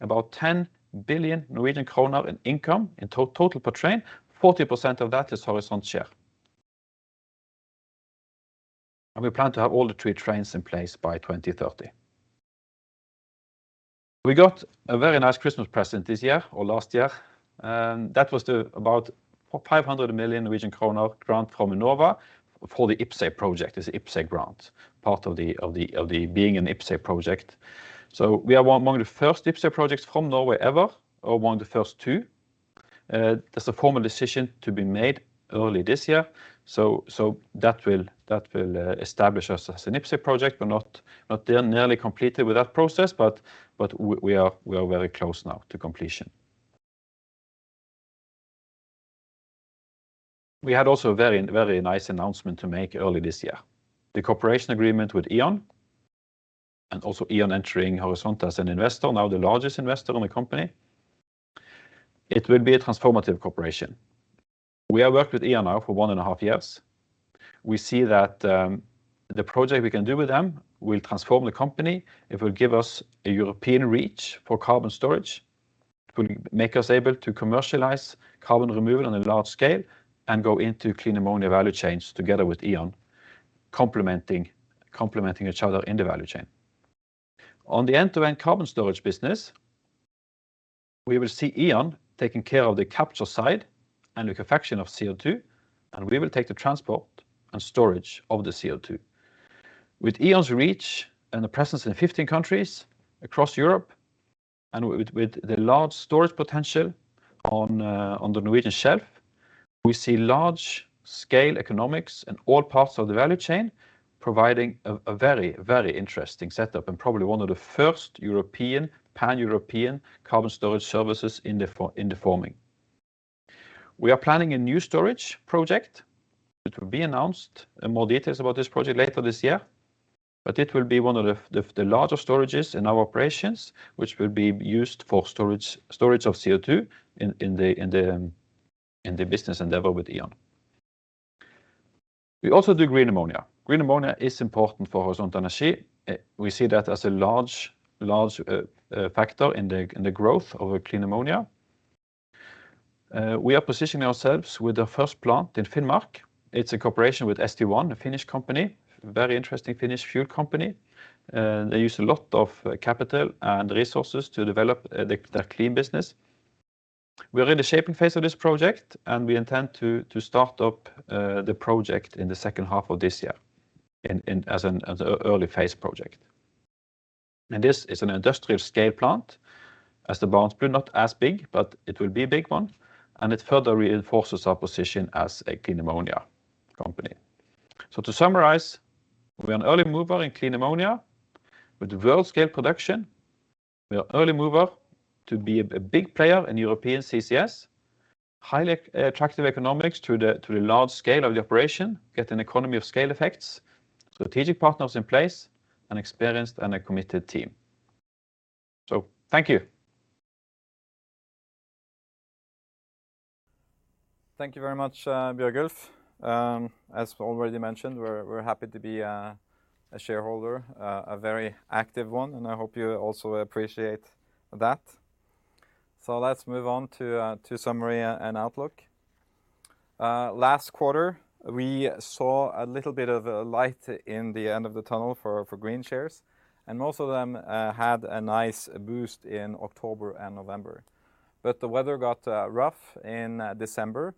about 10 billion Norwegian kroner in income in total per train. 40% of that is Horisont's share. We plan to have all three trains in place by 2030. We got a very nice Christmas present this year or last year, and that was about 500 million Norwegian kroner grant from Enova for the IPCEI project. It's IPCEI grant, part of the being an IPCEI project. We are one among the first IPCEI projects from Norway ever, or one of the first two. There's a formal decision to be made early this year. That will establish us as an IPCEI project. We're not nearly completed with that process, but we are very close now to completion. We had also a very nice announcement to make early this year, the cooperation agreement with E.ON and also E.ON entering Horisont as an investor, now the largest investor in the company. It will be a transformative cooperation. We have worked with E.ON now for one and a half years. We see that the project we can do with them will transform the company. It will give us a European reach for carbon storage. It will make us able to commercialize carbon removal on a large scale and go into clean ammonia value chains together with E.ON, complementing each other in the value chain. On the end-to-end carbon storage business, we will see E.ON taking care of the capture side and liquefaction of CO2, and we will take the transport and storage of the CO2. With E.ON's reach and the presence in 15 countries across Europe and with the large storage potential on the Norwegian shelf, we see large scale economics in all parts of the value chain, providing a very interesting setup and probably one of the first European, Pan-European carbon storage services in the forming. We are planning a new storage project, which will be announced and more details about this project later this year, but it will be one of the larger storages in our operations, which will be used for storage of CO2 in the business endeavor with E.ON. We also do green ammonia. Green ammonia is important for Horisont Energi. We see that as a large factor in the growth of a clean ammonia. We are positioning ourselves with the first plant in Finnmark. It's a cooperation with St1, a Finnish company, very interesting Finnish fuel company. They use a lot of capital and resources to develop their clean business. We are in the shaping phase of this project, and we intend to start up the project in the second half of this year as an early phase project. This is an industrial scale plant as the Barents Blue, not as big, but it will be a big one, and it further reinforces our position as a clean ammonia company. To summarize, we are an early mover in clean ammonia with world scale production. We are early mover to be a big player in European CCS, highly attractive economics through the large scale of the operation, get an economy of scale effects, strategic partners in place, an experienced and a committed team. Thank you. Thank you very much, Bjørgulf. As already mentioned, we're happy to be a shareholder, a very active one, and I hope you also appreciate that. Let's move on to summary and outlook. Last quarter, we saw a little bit of light in the end of the tunnel for green shares, and most of them had a nice boost in October and November. The weather got rough in December,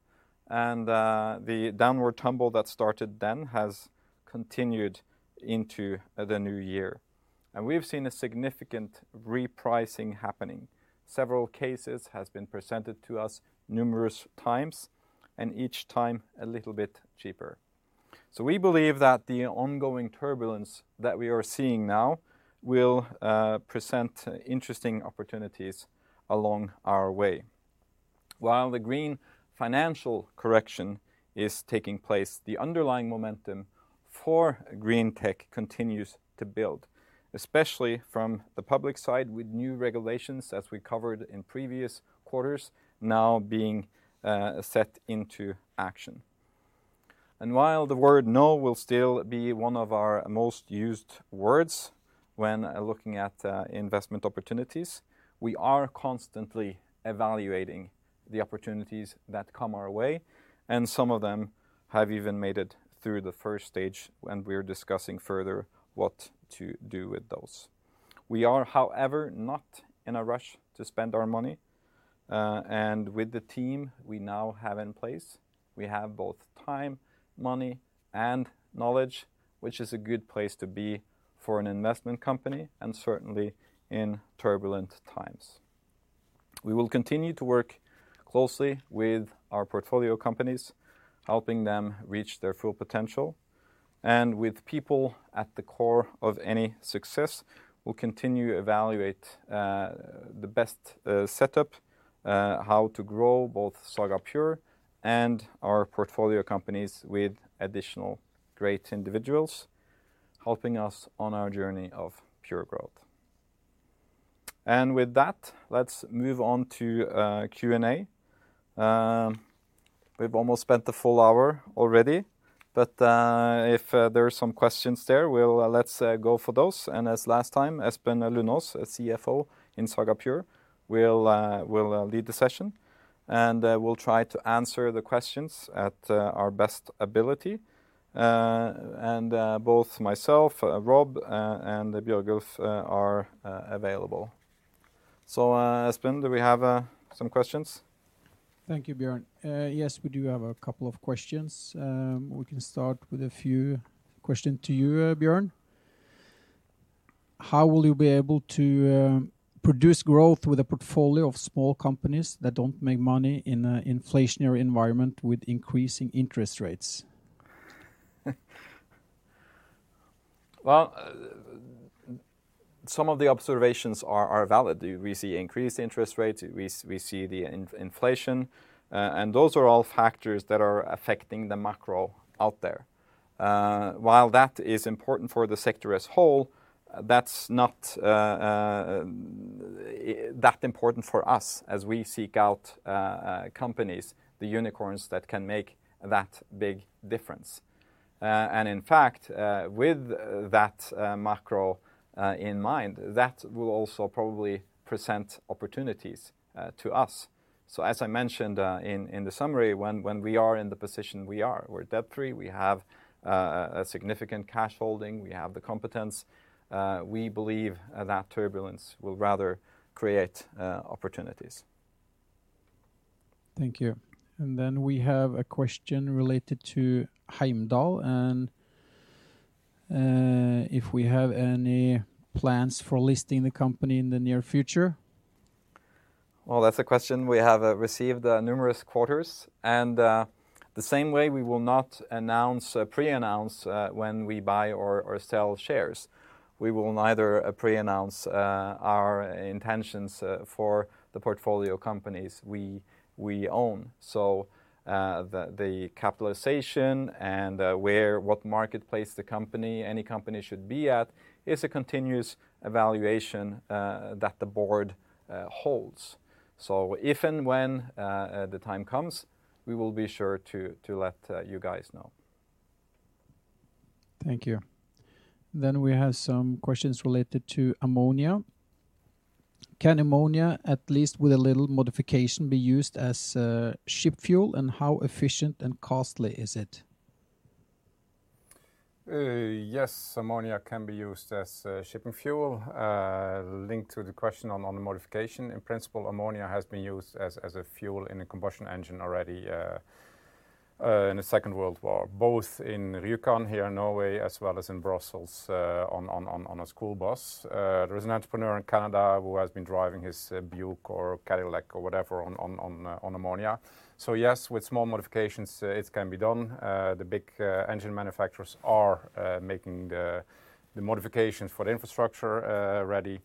and the downward tumble that started then has continued into the new year. We've seen a significant repricing happening. Several cases has been presented to us numerous times, and each time a little bit cheaper. We believe that the ongoing turbulence that we are seeing now will present interesting opportunities along our way. While the green financial correction is taking place, the underlying momentum for green tech continues to build, especially from the public side with new regulations, as we covered in previous quarters, now being set into action. While the word no will still be one of our most used words when looking at investment opportunities, we are constantly evaluating the opportunities that come our way, and some of them have even made it through the first stage when we're discussing further what to do with those. We are, however, not in a rush to spend our money. With the team we now have in place, we have both time, money, and knowledge, which is a good place to be for an investment company, and certainly in turbulent times. We will continue to work closely with our portfolio companies, helping them reach their full potential. With people at the core of any success, we'll continue to evaluate the best setup how to grow both Saga Pure and our portfolio companies with additional great individuals helping us on our journey of pure growth. With that, let's move on to Q&A. We've almost spent the full hour already, but if there's some questions there, let's go for those. As last time, Espen Lundaas, CFO in Saga Pure, will lead the session. We'll try to answer the questions at our best ability. Both myself, Rob and Bjørgulf are available. Espen, do we have some questions? Thank you, Bjørn. Yes, we do have a couple of questions. We can start with a few questions to you, Bjørn. How will you be able to produce growth with a portfolio of small companies that don't make money in an inflationary environment with increasing interest rates? Well, some of the observations are valid. We see increased interest rates, we see the inflation, and those are all factors that are affecting the macro out there. While that is important for the sector as whole, that's not that important for us as we seek out companies, the unicorns that can make that big difference. In fact, with that macro in mind, that will also probably present opportunities to us. As I mentioned in the summary, when we are in the position we are, we're debt-free, we have a significant cash holding, we have the competence, we believe that turbulence will rather create opportunities. Thank you. We have a question related to Heimdall, and if we have any plans for listing the company in the near future. Well, that's a question we have received numerous quarters, and the same way we will not preannounce when we buy or sell shares. We will neither preannounce our intentions for the portfolio companies we own. The capitalization and what marketplace the company, any company should be at is a continuous evaluation that the board holds. If and when the time comes, we will be sure to let you guys know. Thank you. We have some questions related to ammonia. Can ammonia, at least with a little modification, be used as ship fuel, and how efficient and costly is it? Yes, ammonia can be used as shipping fuel. Linked to the question on the modification, in principle, ammonia has been used as a fuel in a combustion engine already in the Second World War, both in Rjukan here in Norway, as well as in Brussels on a school bus. There is an entrepreneur in Canada who has been driving his Buick or Cadillac or whatever on ammonia. Yes, with small modifications, it can be done. The big engine manufacturers are making the modifications for the infrastructure ready.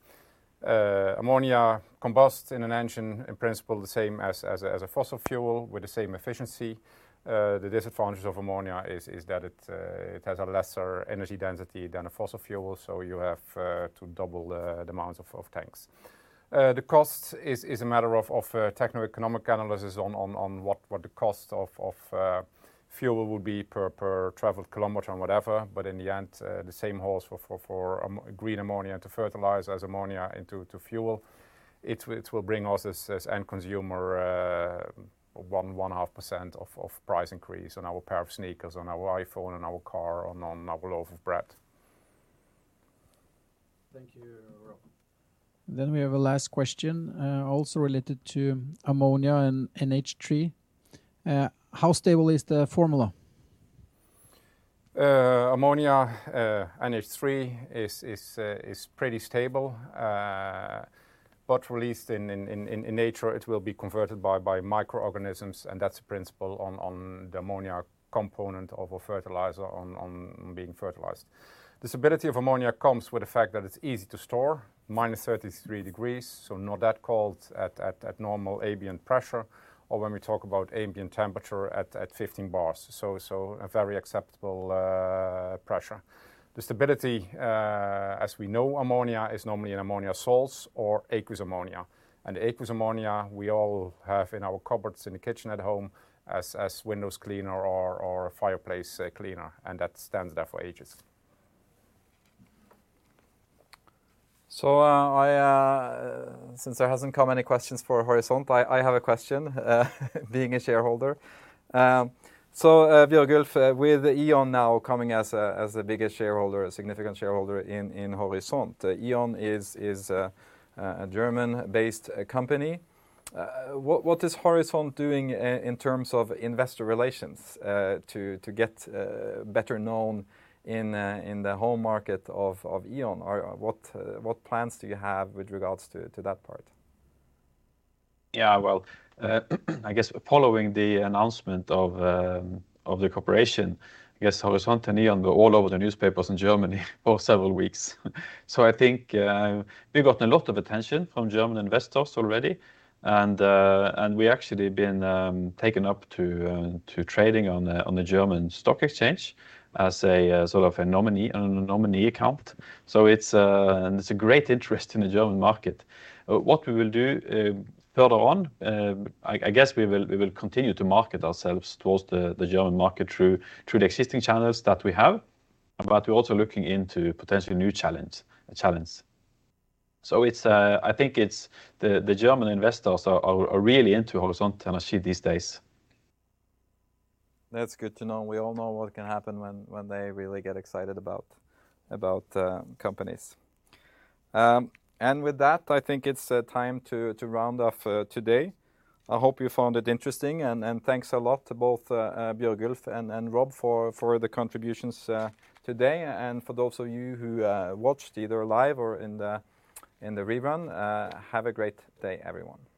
Ammonia combusts in an engine in principle the same as a fossil fuel with the same efficiency. The disadvantage of ammonia is that it has a lesser energy density than a fossil fuel, so you have to double the amount of tanks. The cost is a matter of techno-economic analysis on what the cost of fuel will be per traveled kilometer and whatever. In the end, the same holds for green ammonia to fertilizer as ammonia into fuel. It will bring us as end consumer 1.5% of price increase on our pair of sneakers, on our iPhone, on our car, on our loaf of bread. Thank you, Rob. We have a last question, also related to ammonia and NH3. How stable is the formula? Ammonia, NH3 is pretty stable. Released in nature, it will be converted by microorganisms, and that's the principle on the ammonia component of a fertilizer on being fertilized. The stability of ammonia comes with the fact that it's easy to store, -33 degrees, so not that cold at normal ambient pressure, or when we talk about ambient temperature at 15 bars. A very acceptable pressure. The stability, as we know ammonia, is normally an ammonia salts or aqueous ammonia. Aqueous ammonia we all have in our cupboards in the kitchen at home as window cleaner or a fireplace cleaner, and that stands there for ages. Since there hasn't come any questions for Horisont, I have a question, being a shareholder, Bjørgulf, with E.ON now coming as the biggest shareholder, a significant shareholder in Horisont. E.ON is a German-based company. What is Horisont doing in terms of investor relations to get better known in the home market of E.ON? Or what plans do you have with regards to that part? Yeah. Well, I guess following the announcement of the cooperation, I guess Horisont Energi and E.ON were all over the newspapers in Germany for several weeks. I think we've gotten a lot of attention from German investors already and we've actually been taken up to trading on the German stock exchange as a sort of a nominee, on a nominee account. It's a great interest in the German market. What we will do further on, I guess we will continue to market ourselves towards the German market through the existing channels that we have. We're also looking into potential new channels. I think it's the German investors are really into Horisont Energi these days. That's good to know. We all know what can happen when they really get excited about companies. With that, I think it's time to round off today. I hope you found it interesting and thanks a lot to both Bjørgulf and Rob for the contributions today. For those of you who watched either live or in the rerun, have a great day, everyone.